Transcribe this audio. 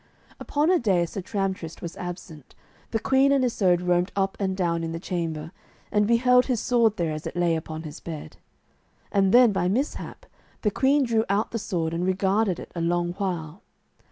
Upon a day as Sir Tramtrist was absent, the queen and Isoud roamed up and down in the chamber, and beheld his sword there as it lay upon his bed. And then by mishap the queen drew out the sword and regarded it a long while.